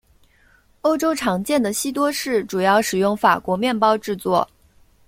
欧洲常见的西多士主要使用法国面包制作。